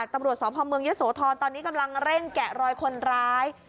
ตำรวจสพเมืองยะโสธรตอนนี้กำลังเร่งแกะรอยคนร้าย